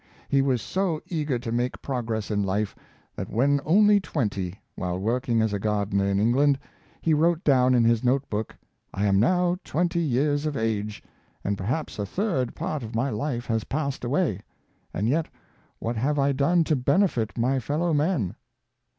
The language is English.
He was so eager to make progress in life. That when only twenty, while working as a gardener in England, he wrote down in his note book, " I am now twenty years of age, and perhaps a third part of my life has passed away, and yet what have I done to benefit my fellow men.